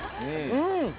うん！